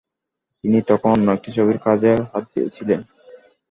তিনি তখন অন্য একটি ছবির কাজে হাত দিয়েছিলেন।